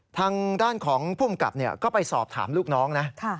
ทางด้านของภูมิกับก็ไปสอบถามลูกน้องนะ